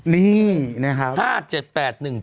นี่นะครับ